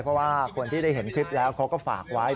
เพราะว่าคนที่ได้เห็นคลิปแล้วเขาก็ฝากไว้